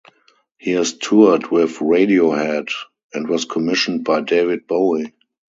He has toured with Radiohead and was commissioned by David Bowie.